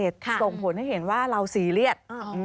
ส่งผลให้เห็นว่าเราซีเรียส